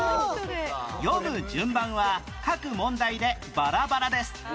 読む順番は各問題でバラバラです